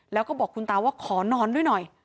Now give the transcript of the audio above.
แล้วก็บอกคุณตาว่าขอนอนด้วยหน่อย